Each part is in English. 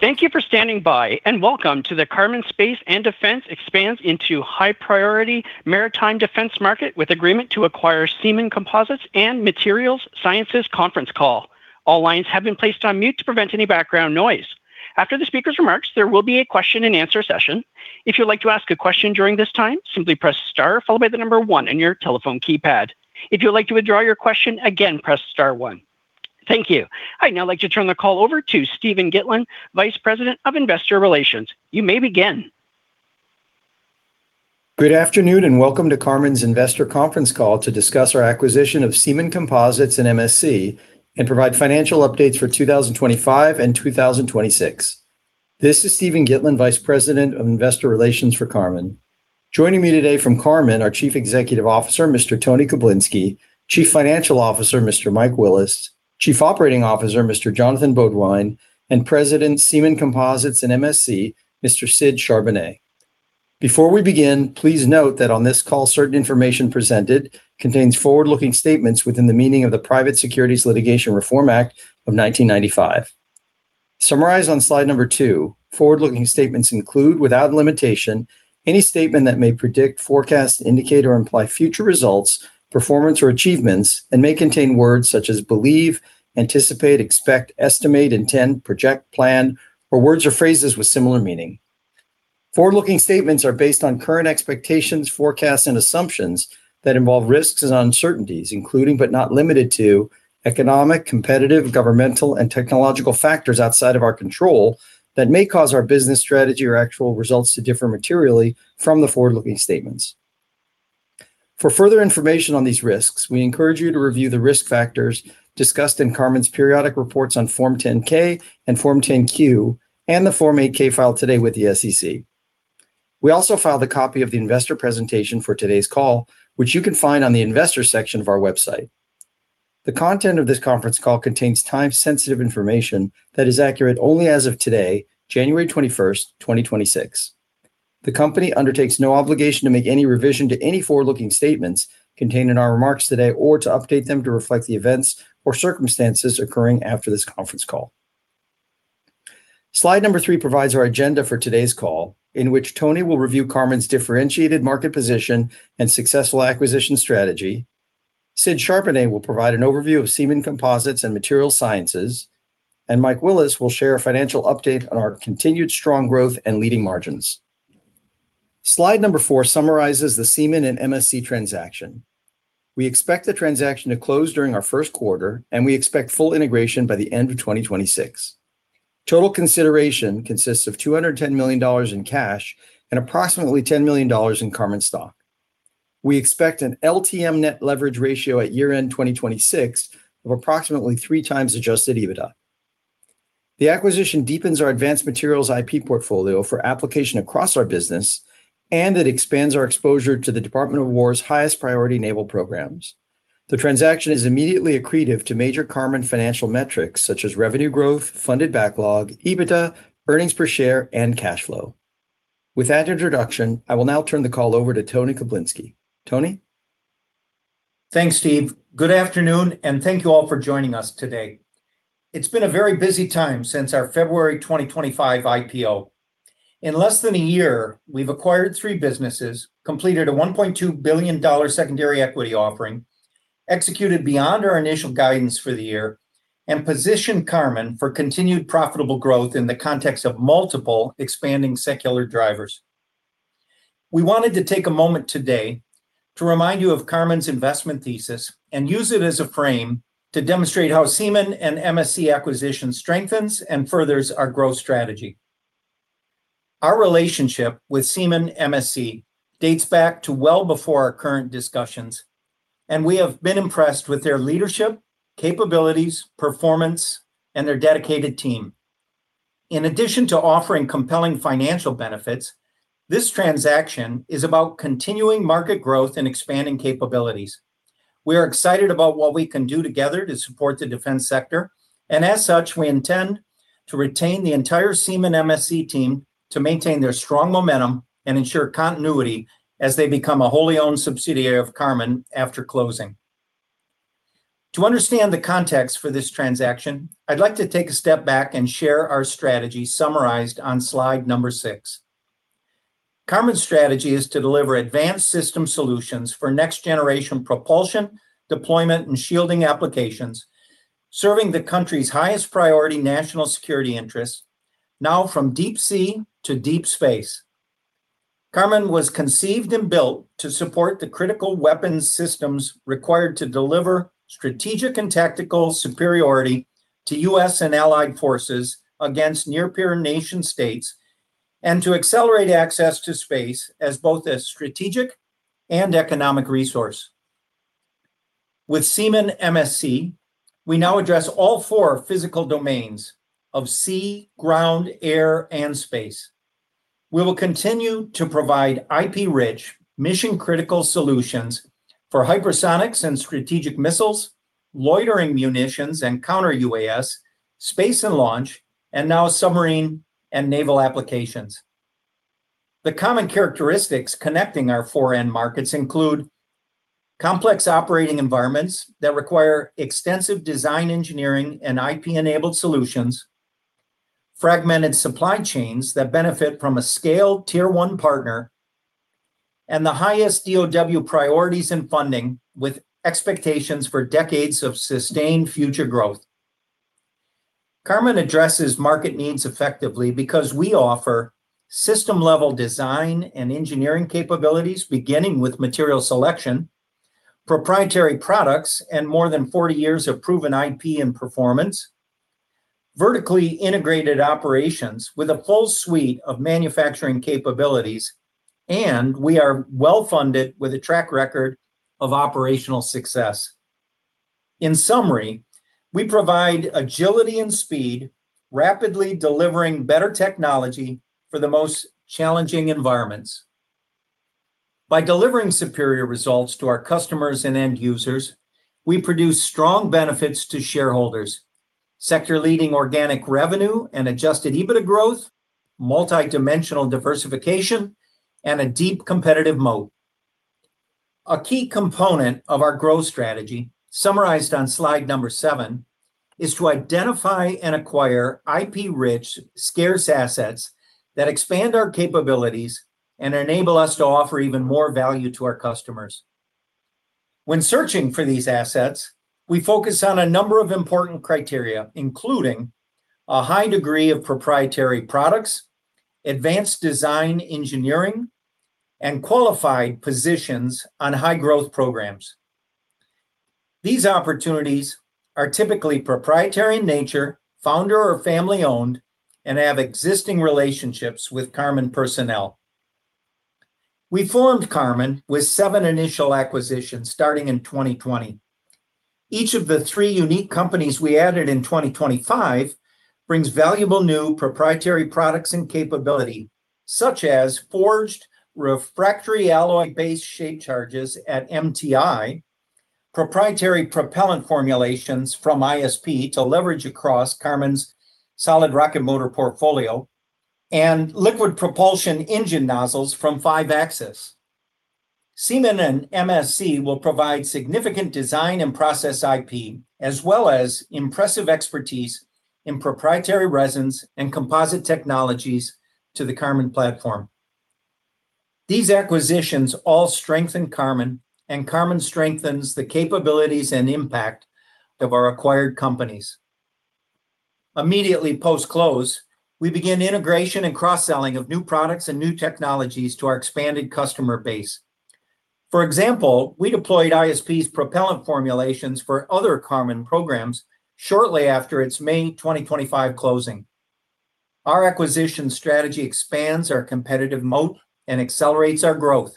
Thank you for standing by, and welcome to the Karman Space and Defense expands into high priority maritime defense market with agreement to acquire Seemann Composites and Materials Sciences conference call. All lines have been placed on mute to prevent any background noise. After the speaker's remarks, there will be a question-and-answer session. If you'd like to ask a question during this time, simply press star followed by the number one on your telephone keypad. If you'd like to withdraw your question, again, press star one. Thank you. I'd now like to turn the call over to Steven Gitlin, Vice President of Investor Relations. You may begin. Good afternoon, and welcome to Karman's Investor Conference Call to discuss our acquisition of Seemann Composites and MSC, and provide financial updates for 2025 and 2026. This is Steven Gitlin, Vice President of Investor Relations for Karman. Joining me today from Karman, our Chief Executive Officer, Mr. Tony Koblinski, Chief Financial Officer, Mr. Mike Willis, Chief Operating Officer, Mr. Jonathan Beaudoin, and President, Seemann Composites and MSC, Mr. Sid Charbonnet. Before we begin, please note that on this call, certain information presented contains forward-looking statements within the meaning of the Private Securities Litigation Reform Act of 1995. Summarized on slide number two, forward-looking statements include, without limitation, any statement that may predict, forecast, indicate, or imply future results, performance, or achievements, and may contain words such as believe, anticipate, expect, estimate, intend, project, plan, or words or phrases with similar meaning. Forward-looking statements are based on current expectations, forecasts, and assumptions that involve risks and uncertainties, including, but not limited to, economic, competitive, governmental, and technological factors outside of our control that may cause our business, strategy, or actual results to differ materially from the forward-looking statements. For further information on these risks, we encourage you to review the risk factors discussed in Karman's periodic reports on Form 10-K and Form 10-Q, and the Form 8-K filed today with the SEC. We also file the copy of the investor presentation for today's call, which you can find on the investor section of our website. The content of this conference call contains time-sensitive information that is accurate only as of today, January 21st, 2026. The company undertakes no obligation to make any revision to any forward-looking statements contained in our remarks today or to update them to reflect the events or circumstances occurring after this conference call. Slide number three provides our agenda for today's call, in which Tony will review Karman's differentiated market position and successful acquisition strategy. Sid Charbonnet will provide an overview of Seemann Composites and Materials Sciences, and Mike Willis will share a financial update on our continued strong growth and leading margins. Slide number four summarizes the Seemann and MSC transaction. We expect the transaction to close during our first quarter, and we expect full integration by the end of 2026. Total consideration consists of $210 million in cash and approximately $10 million in Karman stock. We expect an LTM net leverage ratio at year-end 2026 of approximately three times adjusted EBITDA. The acquisition deepens our advanced materials IP portfolio for application across our business, and it expands our exposure to the Department of War's highest priority naval programs. The transaction is immediately accretive to major Karman financial metrics such as revenue growth, funded backlog, EBITDA, earnings per share, and cash flow. With that introduction, I will now turn the call over to Tony Koblinski. Tony? Thanks, Steve. Good afternoon, and thank you all for joining us today. It's been a very busy time since our February 2025 IPO. In less than a year, we've acquired three businesses, completed a $1.2 billion secondary equity offering, executed beyond our initial guidance for the year, and positioned Karman for continued profitable growth in the context of multiple expanding secular drivers. We wanted to take a moment today to remind you of Karman's investment thesis and use it as a frame to demonstrate how Seemann and MSC acquisition strengthens and furthers our growth strategy. Our relationship with Seemann MSC dates back to well before our current discussions, and we have been impressed with their leadership, capabilities, performance, and their dedicated team. In addition to offering compelling financial benefits, this transaction is about continuing market growth and expanding capabilities. We are excited about what we can do together to support the defense sector, and as such, we intend to retain the entire Seemann MSC team to maintain their strong momentum and ensure continuity as they become a wholly-owned subsidiary of Karman after closing. To understand the context for this transaction, I'd like to take a step back and share our strategy summarized on slide number six. Karman's strategy is to deliver advanced system solutions for next-generation propulsion, deployment, and shielding applications, serving the country's highest priority national security interests, now from deep sea to deep space. Karman was conceived and built to support the critical weapons systems required to deliver strategic and tactical superiority to U.S. and allied forces against near-peer nation-states and to accelerate access to space as both a strategic and economic resource. With Seemann MSC, we now address all four physical domains of sea, ground, air, and space. We will continue to provide IP-rich, mission-critical solutions for hypersonics and strategic missiles, loitering munitions and counter-UAS, space and launch, and now submarine and naval applications. The common characteristics connecting our four-end markets include complex operating environments that require extensive design engineering and IP-enabled solutions, fragmented supply chains that benefit from a scaled tier-one partner, and the highest DW priorities and funding with expectations for decades of sustained future growth. Karman addresses market needs effectively because we offer system-level design and engineering capabilities, beginning with material selection, proprietary products, and more than 40 years of proven IP and performance, vertically integrated operations with a full suite of manufacturing capabilities, and we are well-funded with a track record of operational success. In summary, we provide agility and speed, rapidly delivering better technology for the most challenging environments. By delivering superior results to our customers and end users, we produce strong benefits to shareholders: sector-leading organic revenue and Adjusted EBITDA growth, multidimensional diversification, and a deep competitive moat. A key component of our growth strategy, summarized on slide number seven, is to identify and acquire IP-rich, scarce assets that expand our capabilities and enable us to offer even more value to our customers. When searching for these assets, we focus on a number of important criteria, including a high degree of proprietary products, advanced design engineering, and qualified positions on high-growth programs. These opportunities are typically proprietary in nature, founder or family-owned, and have existing relationships with Karman personnel. We formed Karman with seven initial acquisitions starting in 2020. Each of the three unique companies we added in 2025 brings valuable new proprietary products and capability, such as forged refractory alloy-based shaped charges at MTI, proprietary propellant formulations from ISP to leverage across Karman's solid rocket motor portfolio, and liquid propulsion engine nozzles from 5-Axis. Seemann and MSC will provide significant design and process IP, as well as impressive expertise in proprietary resins and composite technologies to the Karman platform. These acquisitions all strengthen Karman, and Karman strengthens the capabilities and impact of our acquired companies. Immediately post-close, we begin integration and cross-selling of new products and new technologies to our expanded customer base. For example, we deployed ISP's propellant formulations for other Karman programs shortly after its May 2025 closing. Our acquisition strategy expands our competitive moat and accelerates our growth.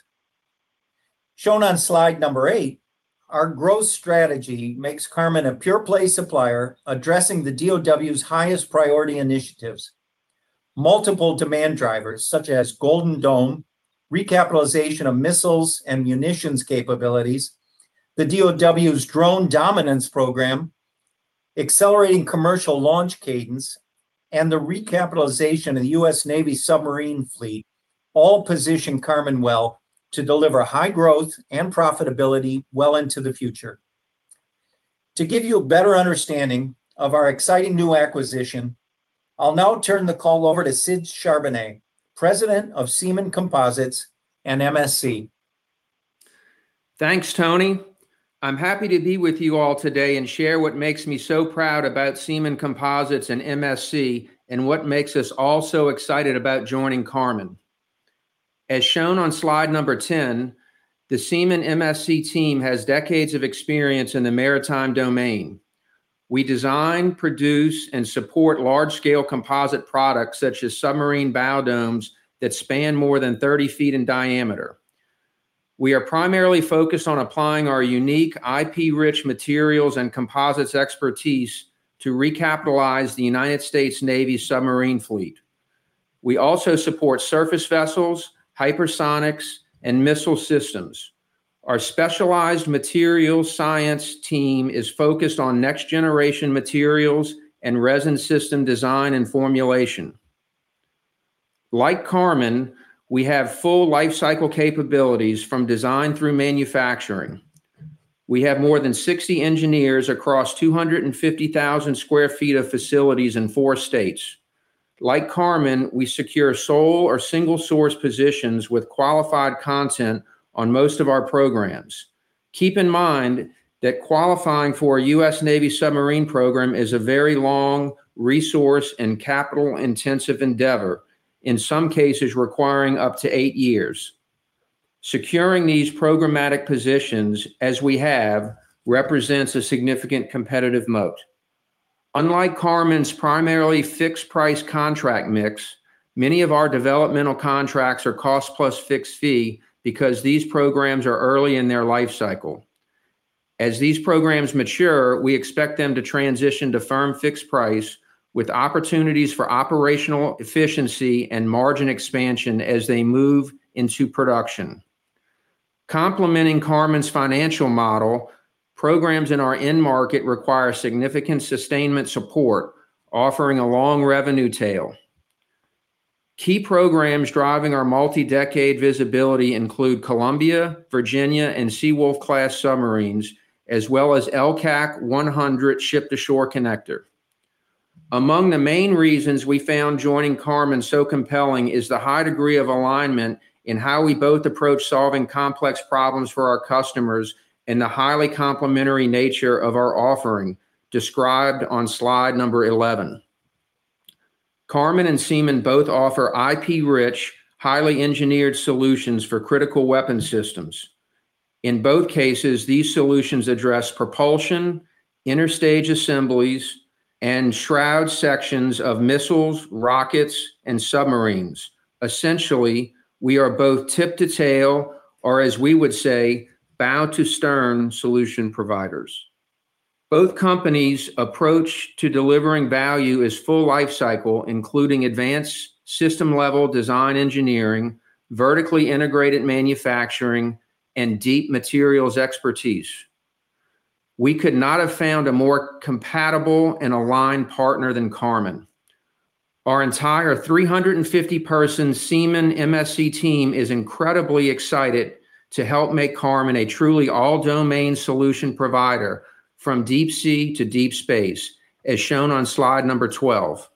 Shown on slide number eight, our growth strategy makes Karman a pure-play supplier addressing the DOW's highest priority initiatives: multiple demand drivers, such as Golden Dome, recapitalization of missiles and munitions capabilities, the DOW's drone dominance program, accelerating commercial launch cadence, and the recapitalization of the U.S. Navy submarine fleet, all position Karman well to deliver high growth and profitability well into the future. To give you a better understanding of our exciting new acquisition, I'll now turn the call over to Sid Charbonnet, President of Seemann Composites and MSC. Thanks, Tony. I'm happy to be with you all today and share what makes me so proud about Seemann Composites and MSC and what makes us all so excited about joining Karman. As shown on slide number 10, the Seemann MSC team has decades of experience in the maritime domain. We design, produce, and support large-scale composite products such as submarine bow domes that span more than 30 feet in diameter. We are primarily focused on applying our unique IP-rich materials and composites expertise to recapitalize the United States Navy submarine fleet. We also support surface vessels, hypersonics, and missile systems. Our specialized materials science team is focused on next-generation materials and resin system design and formulation. Like Karman, we have full lifecycle capabilities from design through manufacturing. We have more than 60 engineers across 250,000 sq ft of facilities in four states. Like Karman, we secure sole or single-source positions with qualified content on most of our programs. Keep in mind that qualifying for a U.S. Navy submarine program is a very long, resource and capital-intensive endeavor, in some cases requiring up to eight years. Securing these programmatic positions, as we have, represents a significant competitive moat. Unlike Karman's primarily fixed-price contract mix, many of our developmental contracts are cost-plus fixed fee because these programs are early in their lifecycle. As these programs mature, we expect them to transition to firm fixed price with opportunities for operational efficiency and margin expansion as they move into production. Complementing Karman's financial model, programs in our end market require significant sustainment support, offering a long revenue tail. Key programs driving our multi-decade visibility include Columbia, Virginia, and Seawolf-class submarines, as well as LCAC 100 ship-to-shore connector. Among the main reasons we found joining Karman so compelling is the high degree of alignment in how we both approach solving complex problems for our customers and the highly complementary nature of our offering described on slide number 11. Karman and Seemann both offer IP-rich, highly engineered solutions for critical weapon systems. In both cases, these solutions address propulsion, interstage assemblies, and shroud sections of missiles, rockets, and submarines. Essentially, we are both tip-to-tail, or as we would say, bow-to-stern solution providers. Both companies' approach to delivering value is full lifecycle, including advanced system-level design engineering, vertically integrated manufacturing, and deep materials expertise. We could not have found a more compatible and aligned partner than Karman. Our entire 350-person Seemann MSC team is incredibly excited to help make Karman a truly all-domain solution provider from deep sea to deep space, as shown on slide number 12.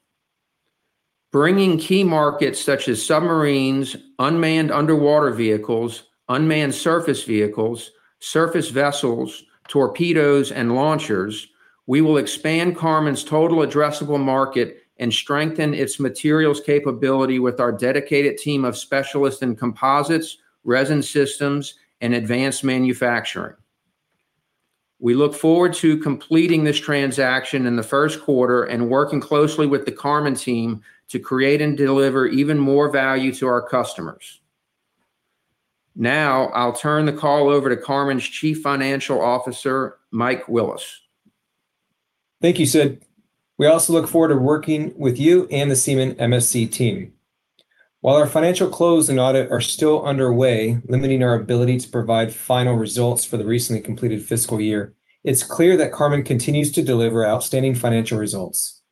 Bringing key markets such as submarines, unmanned underwater vehicles, unmanned surface vehicles, surface vessels, torpedoes, and launchers, we will expand Karman's total addressable market and strengthen its materials capability with our dedicated team of specialists in composites, resin systems, and advanced manufacturing. We look forward to completing this transaction in the first quarter and working closely with the Karman team to create and deliver even more value to our customers. Now, I'll turn the call over to Karman's Chief Financial Officer, Mike Willis. Thank you, Sid. We also look forward to working with you and the Seemann MSC team. While our financial close and audit are still underway, limiting our ability to provide final results for the recently completed fiscal year, it's clear that Karman continues to deliver outstanding financial results.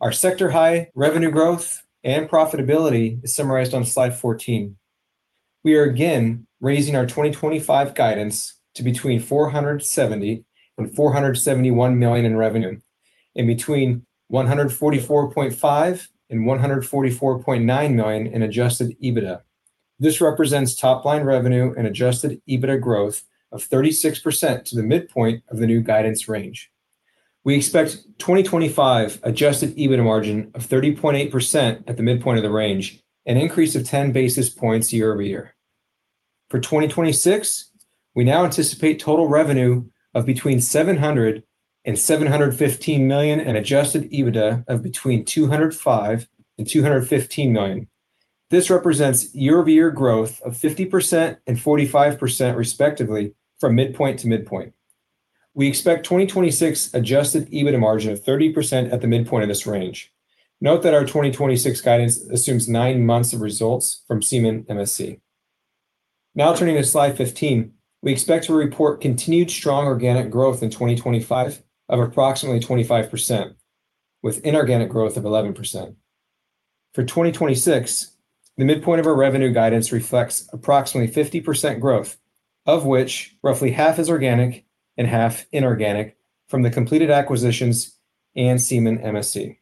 Our sector-high revenue growth and profitability is summarized on slide 14. We are again raising our 2025 guidance to between $470 million and $471 million in revenue, and between $144.5 million and $144.9 million in Adjusted EBITDA. This represents top-line revenue and Adjusted EBITDA growth of 36% to the midpoint of the new guidance range. We expect 2025 Adjusted EBITDA margin of 30.8% at the midpoint of the range and an increase of 10 basis points year-over-year. For 2026, we now anticipate total revenue of between $700 million and $715 million and Adjusted EBITDA of between $205 million and $215 million. This represents year-over-year growth of 50% and 45%, respectively, from midpoint to midpoint. We expect 2026 Adjusted EBITDA margin of 30% at the midpoint of this range. Note that our 2026 guidance assumes nine months of results from Seemann MSC. Now, turning to slide 15, we expect to report continued strong organic growth in 2025 of approximately 25%, with inorganic growth of 11%. For 2026, the midpoint of our revenue guidance reflects approximately 50% growth, of which roughly half is organic and half inorganic from the completed acquisitions and Seemann MSC.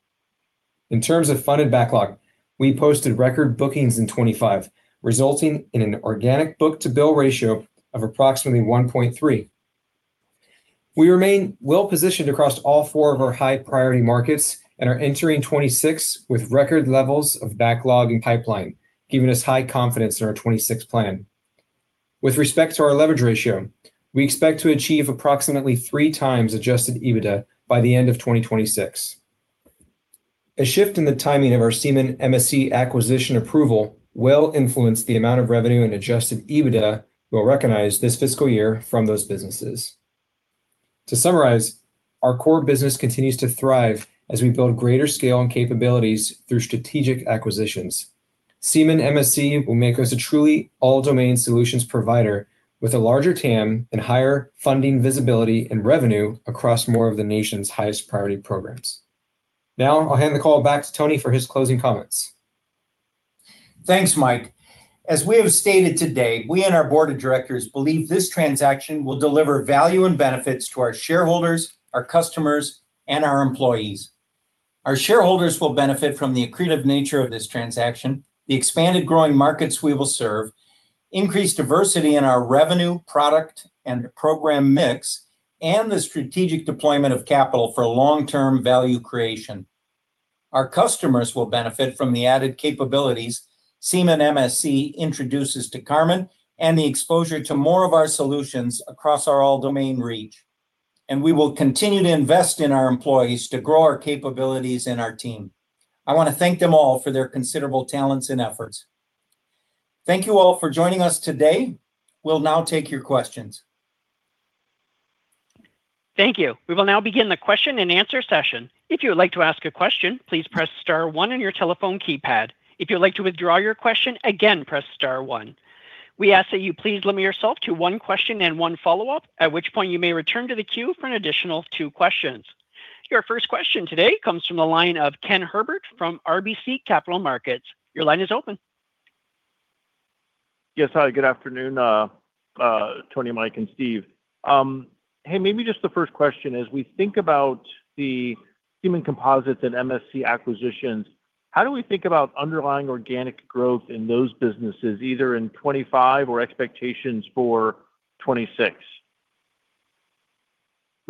In terms of funded backlog, we posted record bookings in 2025, resulting in an organic book-to-bill ratio of approximately 1.3. We remain well-positioned across all four of our high-priority markets and are entering 2026 with record levels of backlog and pipeline, giving us high confidence in our 2026 plan. With respect to our leverage ratio, we expect to achieve approximately three times Adjusted EBITDA by the end of 2026. A shift in the timing of our Seemann MSC acquisition approval will influence the amount of revenue and Adjusted EBITDA we'll recognize this fiscal year from those businesses. To summarize, our core business continues to thrive as we build greater scale and capabilities through strategic acquisitions. Seemann MSC will make us a truly all-domain solutions provider with a larger TAM and higher funding visibility and revenue across more of the nation's highest-priority programs. Now, I'll hand the call back to Tony for his closing comments. Thanks, Mike. As we have stated today, we and our board of directors believe this transaction will deliver value and benefits to our shareholders, our customers, and our employees. Our shareholders will benefit from the accretive nature of this transaction, the expanded growing markets we will serve, increased diversity in our revenue, product, and program mix, and the strategic deployment of capital for long-term value creation. Our customers will benefit from the added capabilities Seemann MSC introduces to Karman and the exposure to more of our solutions across our all-domain reach, and we will continue to invest in our employees to grow our capabilities and our team. I want to thank them all for their considerable talents and efforts. Thank you all for joining us today. We'll now take your questions. Thank you. We will now begin the question-and-answer session. If you would like to ask a question, please press star one on your telephone keypad. If you'd like to withdraw your question, again, press star one. We ask that you please limit yourself to one question and one follow-up, at which point you may return to the queue for an additional two questions. Your first question today comes from the line of Ken Herbert from RBC Capital Markets. Your line is open. Yes, hi. Good afternoon, Tony, Mike, and Steve. Hey, maybe just the first question. As we think about the Seemann Composites and MSC acquisitions, how do we think about underlying organic growth in those businesses, either in 2025 or expectations for 2026?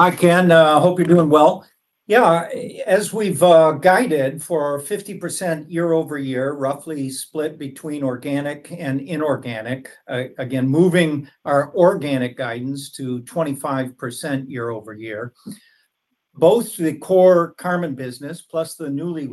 Hi, Ken. I hope you're doing well. Yeah. As we've guided for 50% year-over-year, roughly split between organic and inorganic, again, moving our organic guidance to 25% year-over-year, both the core Karman business plus the newly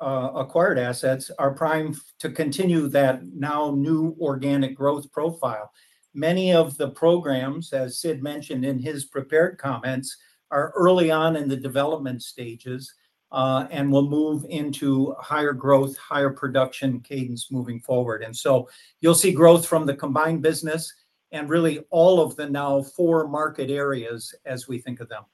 acquired assets are primed to continue that now new organic growth profile. Many of the programs, as Sid mentioned in his prepared comments, are early on in the development stages and will move into higher growth, higher production cadence moving forward. And so you'll see growth from the combined business and really all of the now four market areas as we think of them.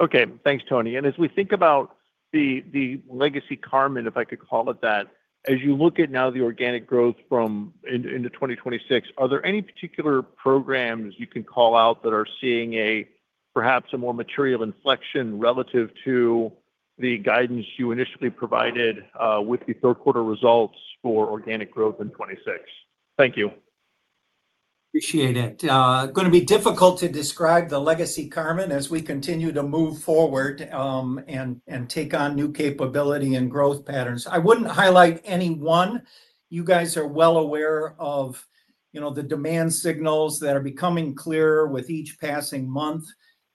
Okay. Thanks, Tony. And as we think about the legacy Karman, if I could call it that, as you look at now the organic growth into 2026, are there any particular programs you can call out that are seeing perhaps a more material inflection relative to the guidance you initially provided with the third-quarter results for organic growth in 2026? Thank you. Appreciate it. Going to be difficult to describe the legacy Karman as we continue to move forward and take on new capability and growth patterns. I wouldn't highlight any one. You guys are well aware of the demand signals that are becoming clearer with each passing month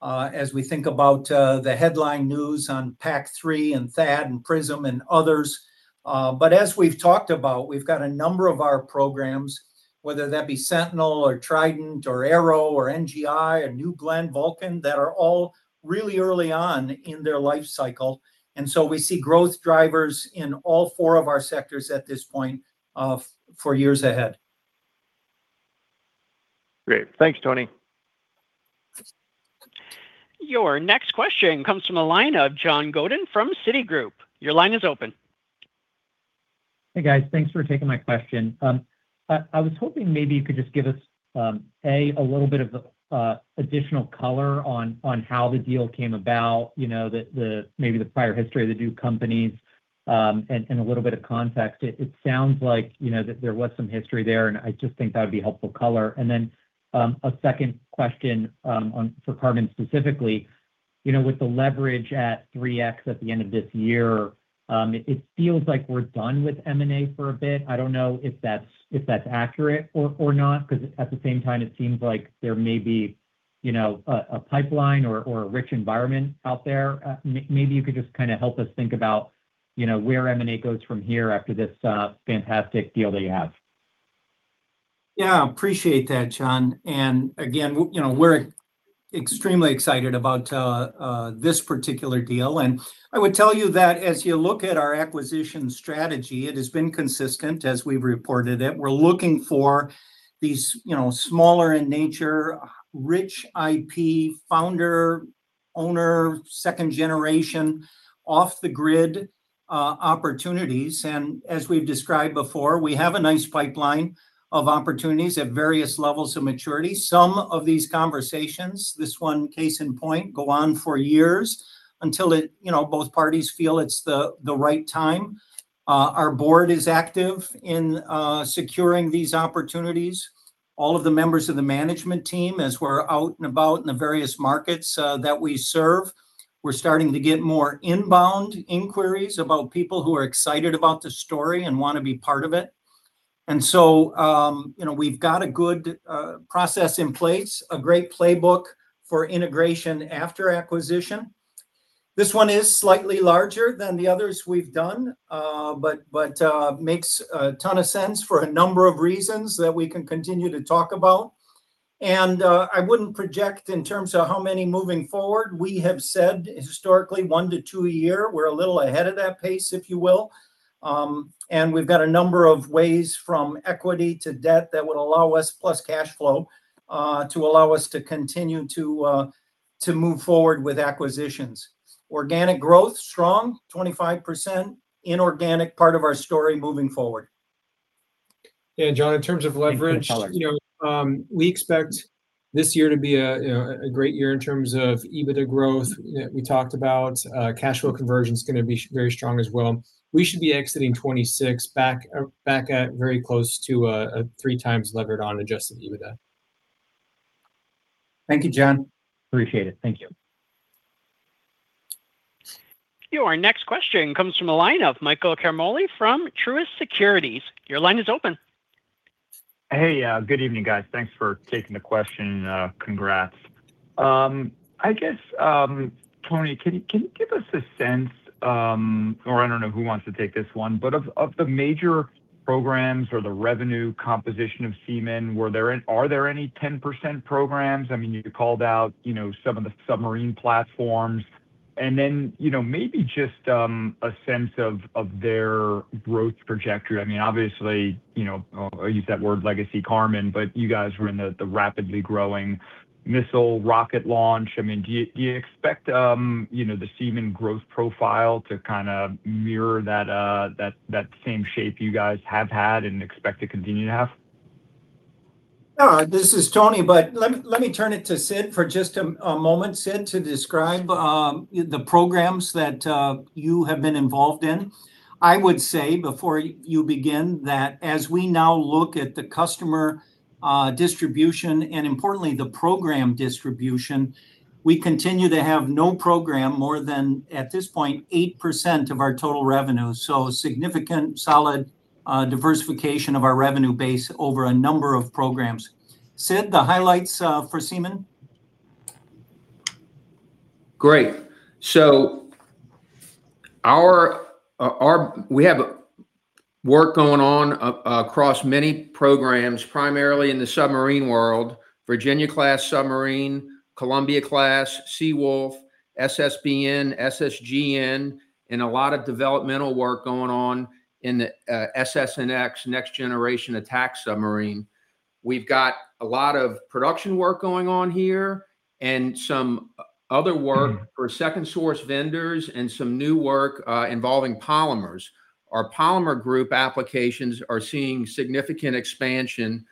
as we think about the headline news on PAC-3 and THAAD and PrSM and others. But as we've talked about, we've got a number of our programs, whether that be Sentinel or Trident or Arrow or NGI or New Glenn, Vulcan, that are all really early on in their life cycle. And so we see growth drivers in all four of our sectors at this point for years ahead. Great. Thanks, Tony. Your next question comes from the line of John Godin from Citigroup. Your line is open. Hey, guys. Thanks for taking my question. I was hoping maybe you could just give us, A, a little bit of additional color on how the deal came about, maybe the prior history of the two companies, and a little bit of context. It sounds like there was some history there, and I just think that would be helpful color, and then a second question for Karman specifically. With the leverage at 3x at the end of this year, it feels like we're done with M&A for a bit. I don't know if that's accurate or not because, at the same time, it seems like there may be a pipeline or a rich environment out there. Maybe you could just kind of help us think about where M&A goes from here after this fantastic deal that you have. Yeah. Appreciate that, John. And again, we're extremely excited about this particular deal. And I would tell you that as you look at our acquisition strategy, it has been consistent as we've reported it. We're looking for these smaller in nature, rich IP, founder, owner, second-generation, off-the-grid opportunities. And as we've described before, we have a nice pipeline of opportunities at various levels of maturity. Some of these conversations, this one case in point, go on for years until both parties feel it's the right time. Our board is active in securing these opportunities. All of the members of the management team, as we're out and about in the various markets that we serve, we're starting to get more inbound inquiries about people who are excited about the story and want to be part of it. And so we've got a good process in place, a great playbook for integration after acquisition. This one is slightly larger than the others we've done, but makes a ton of sense for a number of reasons that we can continue to talk about. And I wouldn't project in terms of how many moving forward. We have said historically one to two a year. We're a little ahead of that pace, if you will. And we've got a number of ways from equity to debt that would allow us, plus cash flow, to allow us to continue to move forward with acquisitions. Organic growth, strong, 25%. Inorganic part of our story moving forward. Yeah. John, in terms of leverage, we expect this year to be a great year in terms of EBITDA growth that we talked about. Cash flow conversion is going to be very strong as well. We should be exiting 2026 back at very close to a three times levered on adjusted EBITDA. Thank you, John. Appreciate it. Thank you. Your next question comes from the line of Michael Ciarmoli from Truist Securities. Your line is open. Hey, good evening, guys. Thanks for taking the question. Congrats. I guess, Tony, can you give us a sense - or I don't know who wants to take this one - but of the major programs or the revenue composition of Seemann, are there any 10% programs? I mean, you called out some of the submarine platforms. And then maybe just a sense of their growth trajectory. I mean, obviously, I use that word legacy Karman, but you guys were in the rapidly growing missile rocket launch. I mean, do you expect the Seemann growth profile to kind of mirror that same shape you guys have had and expect to continue to have? This is Tony, but let me turn it to Sid for just a moment, Sid, to describe the programs that you have been involved in. I would say before you begin that as we now look at the customer distribution and, importantly, the program distribution, we continue to have no program more than, at this point, 8% of our total revenue. So significant, solid diversification of our revenue base over a number of programs. Sid, the highlights for Seemann? Great. So we have work going on across many programs, primarily in the submarine world: Virginia-class submarine, Columbia-class, Seawolf, SSBN, SSGN, and a lot of developmental work going on in the SSNX next-generation attack submarine. We've got a lot of production work going on here and some other work for second-source vendors and some new work involving polymers. Our polymer group applications are seeing significant expansion,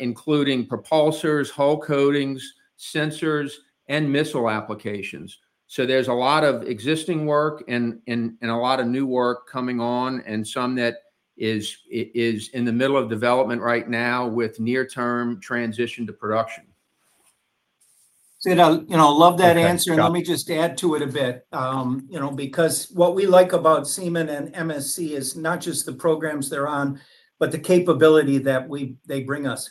including propulsors, hull coatings, sensors, and missile applications. So there's a lot of existing work and a lot of new work coming on, and some that is in the middle of development right now with near-term transition to production. Sid, I'd love that answer. And let me just add to it a bit because what we like about Seemann and MSC is not just the programs they're on, but the capability that they bring us.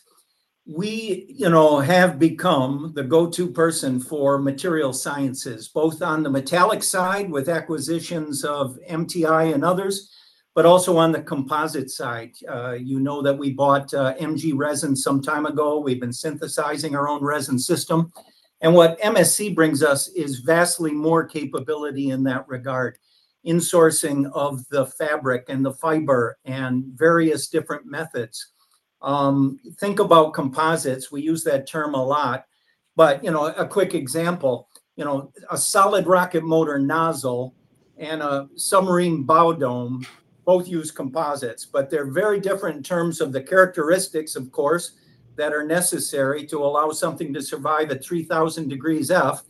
We have become the go-to person for materials sciences, both on the metallic side with acquisitions of MTI and others, but also on the composite side. You know that we bought MG Resin some time ago. We've been synthesizing our own resin system. And what MSC brings us is vastly more capability in that regard: insourcing of the fabric and the fiber and various different methods. Think about composites. We use that term a lot. But a quick example: a solid rocket motor nozzle and a submarine bow dome both use composites, but they're very different in terms of the characteristics, of course, that are necessary to allow something to survive at 3,000 degrees Fahrenheit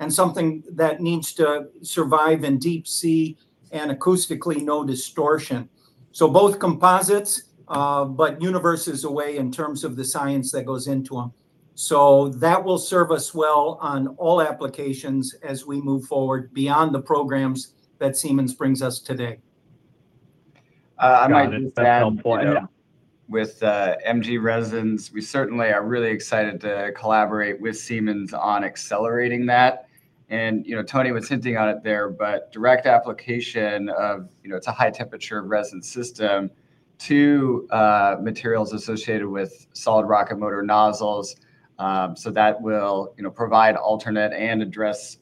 and something that needs to survive in deep sea and acoustically no distortion. So both composites, but universe is wide in terms of the science that goes into them. So that will serve us well on all applications as we move forward beyond the programs that Seemann brings us today. I might just add on point with MG Resins. We certainly are really excited to collaborate with Seemann on accelerating that. And Tony was hinting on it there, but direct application of it is a high-temperature resin system to materials associated with solid rocket motor nozzles. So that will provide alternate and address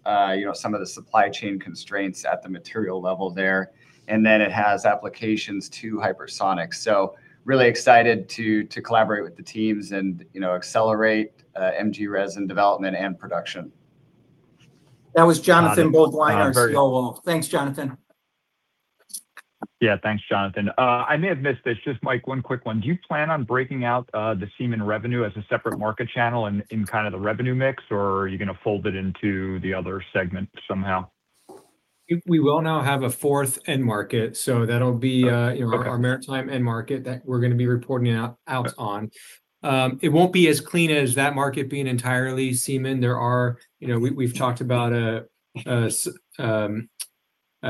some of the supply chain constraints at the material level there. And then it has applications to hypersonics. So really excited to collaborate with the teams and accelerate MG Resin development and production. That was Jonathan Beaudoin on Seawolf-class. Thanks, Jonathan. Yeah. Thanks, Jonathan. I may have missed this. Just Mike, one quick one. Do you plan on breaking out the Seemann revenue as a separate market channel in kind of the revenue mix, or are you going to fold it into the other segment somehow? We will now have a fourth end market. So that'll be our maritime end market that we're going to be reporting out on. It won't be as clean as that market being entirely Seemann. We've talked about a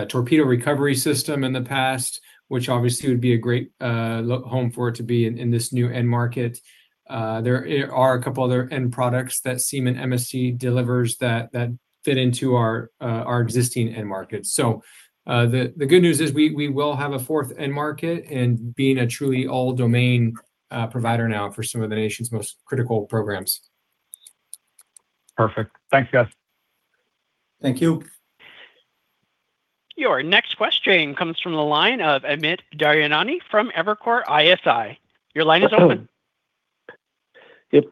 torpedo recovery system in the past, which obviously would be a great home for it to be in this new end market. There are a couple of other end products that Seemann MSC delivers that fit into our existing end market. So the good news is we will have a fourth end market and being a truly all-domain provider now for some of the nation's most critical programs. Perfect. Thanks, guys. Thank you. Your next question comes from the line of Amit Daryanani from Evercore ISI. Your line is open. Thanks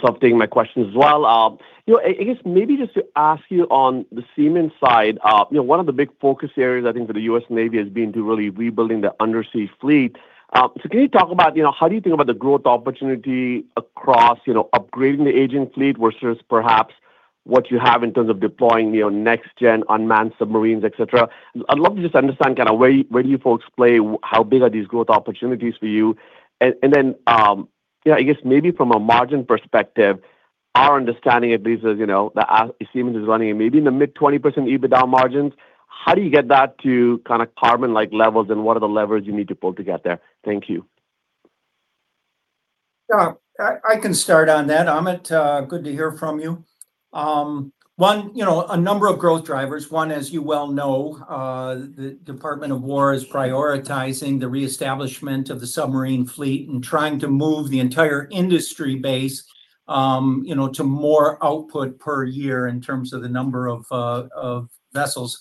for updating my questions as well. I guess maybe just to ask you on the Seemann side, one of the big focus areas, I think, for the U.S. Navy has been to really rebuilding the undersea fleet. So can you talk about how do you think about the growth opportunity across upgrading the aging fleet versus perhaps what you have in terms of deploying next-gen unmanned submarines, etc.? I'd love to just understand kind of where do you folks play, how big are these growth opportunities for you? And then, yeah, I guess maybe from a margin perspective, our understanding, at least, is that Seemann is running maybe in the mid-20% EBITDA margins. How do you get that to kind of Karman-like levels, and what are the levers you need to pull to get there? Thank you. I can start on that. Amit, good to hear from you. A number of growth drivers. One, as you well know, the Department of Defense is prioritizing the reestablishment of the submarine fleet and trying to move the entire industry base to more output per year in terms of the number of vessels,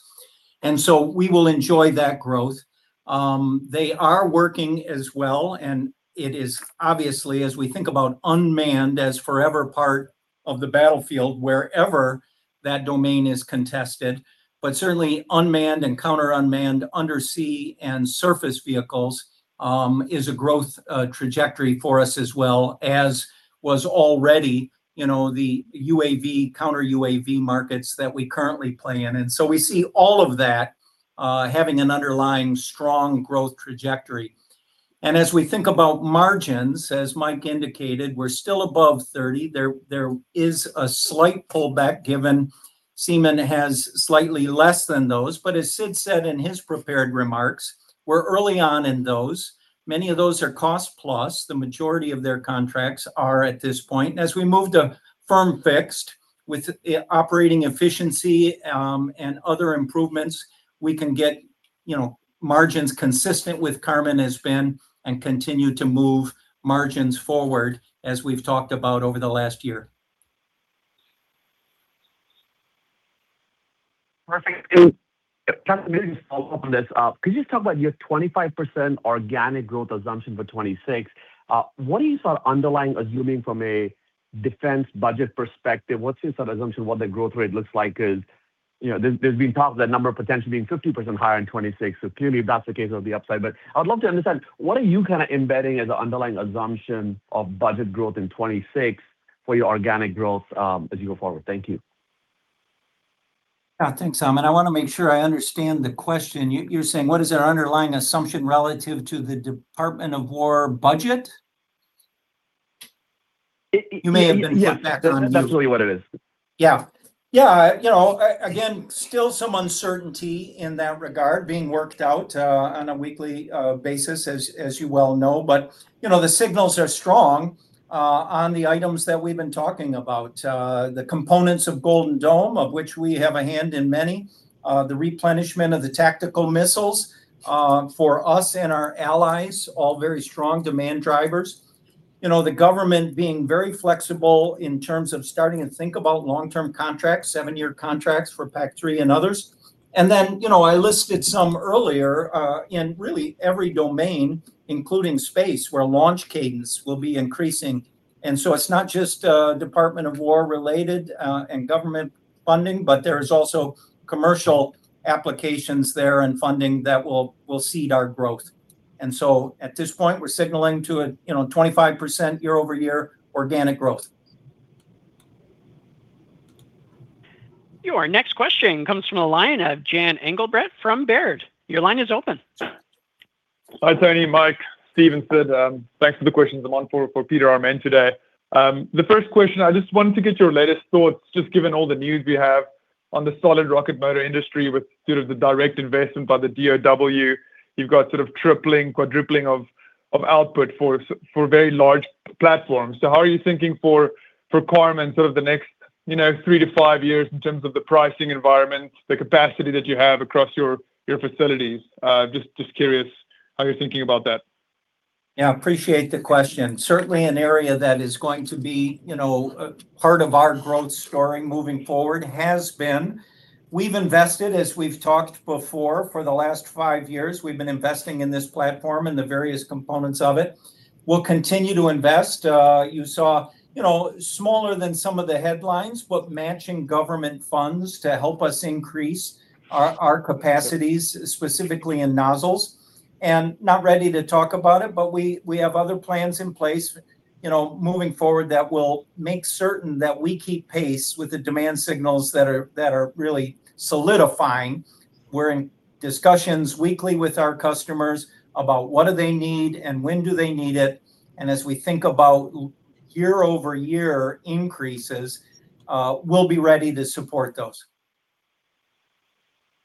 and so we will enjoy that growth. They are working as well, and it is obviously, as we think about unmanned as forever part of the battlefield wherever that domain is contested, but certainly, unmanned and counter-unmanned undersea and surface vehicles is a growth trajectory for us as well, as was already the UAV counter-UAV markets that we currently play in. And so we see all of that having an underlying strong growth trajectory, and as we think about margins, as Mike indicated, we're still above 30%. There is a slight pullback given Seemann has slightly less than those. But as Sid said in his prepared remarks, we're early on in those. Many of those are cost-plus. The majority of their contracts are at this point. And as we move to firm-fixed with operating efficiency and other improvements, we can get margins consistent with Karman has been and continue to move margins forward, as we've talked about over the last year. Perfect. And just to follow up on this, could you just talk about your 25% organic growth assumption for 2026? What are you sort of underlying assuming from a defense budget perspective? What's your sort of assumption of what the growth rate looks like? There's been talk of that number potentially being 50% higher in 2026. So clearly, if that's the case, there'll be upside. But I would love to understand what are you kind of embedding as an underlying assumption of budget growth in 2026 for your organic growth as you go forward? Thank you. Yeah. Thanks, Amit. I want to make sure I understand the question. You're saying what is our underlying assumption relative to the Department of War budget? You may have been put back on mute. Yeah. That's really what it is. Yeah. Yeah. Again, still some uncertainty in that regard being worked out on a weekly basis, as you well know. But the signals are strong on the items that we've been talking about: the components of Golden Dome, of which we have a hand in many; the replenishment of the tactical missiles for us and our allies, all very strong demand drivers; the government being very flexible in terms of starting to think about long-term contracts, seven-year contracts for PAC-3 and others. I listed some earlier in really every domain, including space, where launch cadence will be increasing. It's not just Department of War related and government funding, but there's also commercial applications there and funding that will seed our growth. At this point, we're signaling to a 25% year-over-year organic growth. Your next question comes from the line of Jan Engelbrecht from Baird. Your line is open. Hi, Tony. Mike, Steven, Sid, thanks for the questions. I'm on for Peter Arment today. The first question, I just wanted to get your latest thoughts, just given all the news we have on the solid rocket motor industry with sort of the direct investment by the DOW. You've got sort of tripling, quadrupling of output for very large platforms. So how are you thinking for Karman sort of the next three to five years in terms of the pricing environment, the capacity that you have across your facilities? Just curious how you're thinking about that. Yeah. I appreciate the question. Certainly, an area that is going to be part of our growth story moving forward has been. We've invested, as we've talked before, for the last five years. We've been investing in this platform and the various components of it. We'll continue to invest. You saw smaller than some of the headlines, but matching government funds to help us increase our capacities, specifically in nozzles. And not ready to talk about it, but we have other plans in place moving forward that will make certain that we keep pace with the demand signals that are really solidifying. We're in discussions weekly with our customers about what do they need and when do they need it. And as we think about year-over-year increases, we'll be ready to support those.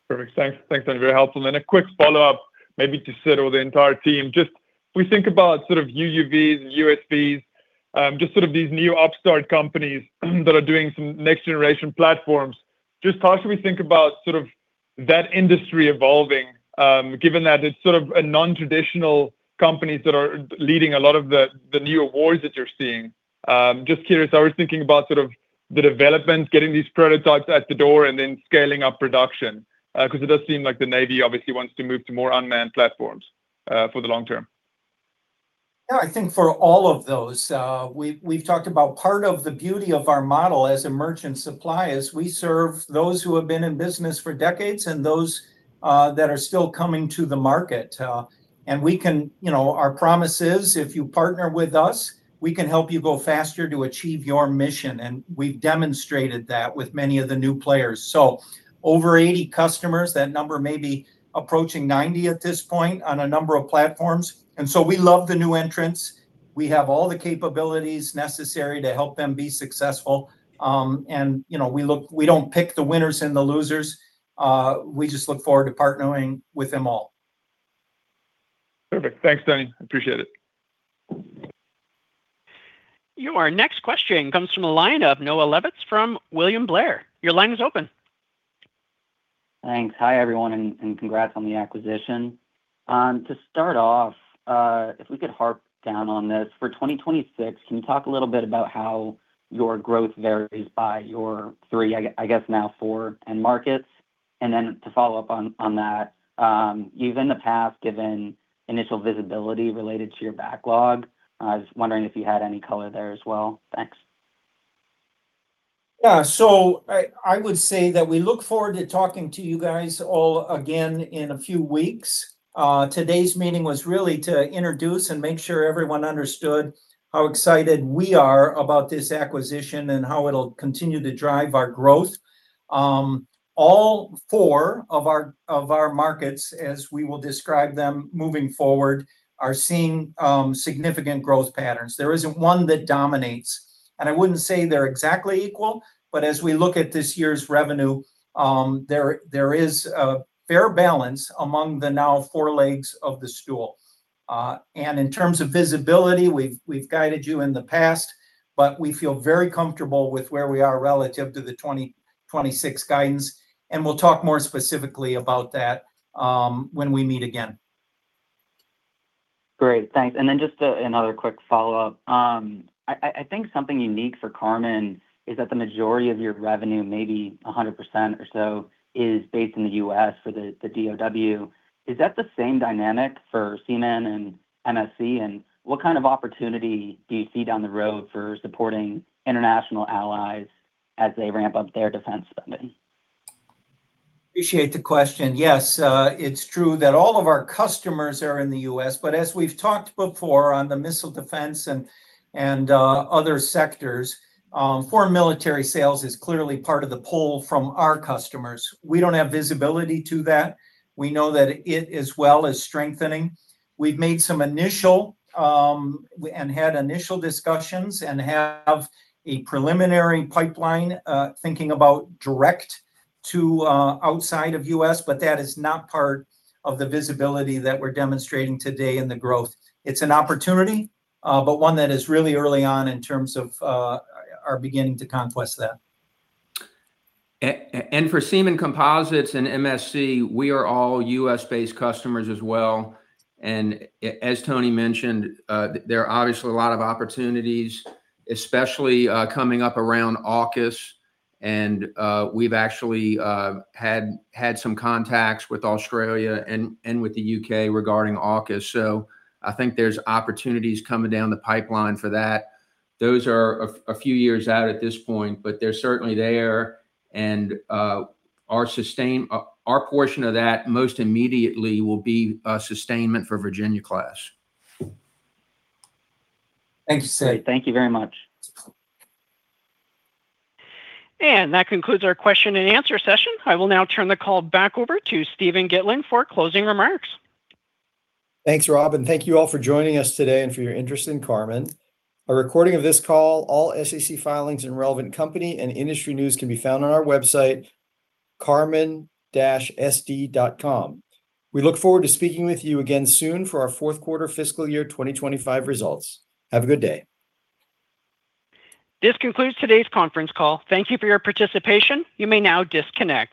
Perfect. Thanks. Thanks, Tony. Very helpful, and a quick follow-up, maybe to Sid or the entire team. Just, we think about sort of UUVs, USVs, just sort of these new upstart companies that are doing some next-generation platforms. Just how should we think about sort of that industry evolving, given that it's sort of non-traditional companies that are leading a lot of the new awards that you're seeing? Just curious, I was thinking about sort of the development, getting these prototypes at the door, and then scaling up production because it does seem like the Navy obviously wants to move to more unmanned platforms for the long term. Yeah. I think for all of those, we've talked about part of the beauty of our model as emergent supply is we serve those who have been in business for decades and those that are still coming to the market. And our promise is if you partner with us, we can help you go faster to achieve your mission. And we've demonstrated that with many of the new players. So over 80 customers, that number may be approaching 90 at this point on a number of platforms. And so we love the new entrants. We have all the capabilities necessary to help them be successful. And we don't pick the winners and the losers. We just look forward to partnering with them all. Perfect. Thanks, Tony. Appreciate it. Your next question comes from the line of Noah Levitz from William Blair. Your line is open. Thanks. Hi, everyone, and congrats on the acquisition. To start off, if we could drill down on this, for 2026, can you talk a little bit about how your growth varies by your three, I guess now four end markets? And then to follow up on that, you've in the past given initial visibility related to your backlog. I was wondering if you had any color there as well. Thanks. Yeah. So I would say that we look forward to talking to you guys all again in a few weeks. Today's meeting was really to introduce and make sure everyone understood how excited we are about this acquisition and how it'll continue to drive our growth. All four of our markets, as we will describe them moving forward, are seeing significant growth patterns. There isn't one that dominates. And I wouldn't say they're exactly equal, but as we look at this year's revenue, there is a fair balance among the now four legs of the stool. And in terms of visibility, we've guided you in the past, but we feel very comfortable with where we are relative to the 2026 guidance. And we'll talk more specifically about that when we meet again. Great. Thanks. And then just another quick follow-up. I think something unique for Karman is that the majority of your revenue, maybe 100% or so, is based in the U.S. for the DOW. Is that the same dynamic for Seemann and MSC? And what kind of opportunity do you see down the road for supporting international allies as they ramp up their defense spending? Appreciate the question. Yes. It's true that all of our customers are in the U.S. But as we've talked before on the missile defense and other sectors, foreign military sales is clearly part of the pull from our customers. We don't have visibility to that. We know that it is, as well as strengthening. We've made some initial discussions and have a preliminary pipeline thinking about direct to outside of U.S., but that is not part of the visibility that we're demonstrating today in the growth. It's an opportunity, but one that is really early on in terms of our beginning to conquer that. And for Seemann Composites and MSC, we are all U.S. based customers as well. And as Tony mentioned, there are obviously a lot of opportunities, especially coming up around AUKUS. And we've actually had some contacts with Australia and with the U.K. regarding AUKUS. So I think there's opportunities coming down the pipeline for that. Those are a few years out at this point, but they're certainly there. And our portion of that most immediately will be sustainment for Virginia-class. Thank you, Sid. Thank you very much. And that concludes our question and answer session. I will now turn the call back over to Steven Gitlin for closing remarks. Thanks, Robin. Thank you all for joining us today and for your interest in Karman. A recording of this call, all SEC filings and relevant company and industry news can be found on our website, karman-sd.com. We look forward to speaking with you again soon for our Q4 fiscal year 2025 results. Have a good day. This concludes today's conference call. Thank you for your participation. You may now disconnect.